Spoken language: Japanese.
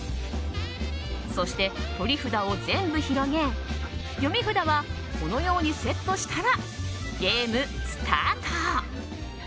そして、取り札を全部広げ読み札はこのようにセットしたらゲームスタート。